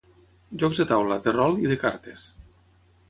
Jocs de taula, de rol i de cartes.